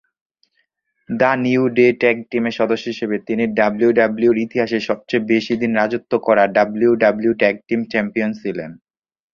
The New Day tag টিমের সদস্য হিসেবে তিনি ডাব্লিউডাব্লিউইর ইতিহাসে সবচেয়ে বেশি দিন রাজত্ব করা ডাব্লিউডাব্লিউই ট্যাগ টিম চ্যাম্পিয়ন ছিলেন।